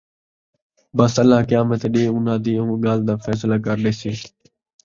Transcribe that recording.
ٻس اَللہ قیامت دے ݙین٘ہ اُنھاں دِی اُوں ڳالھ دا فیصلہ کر ݙیسی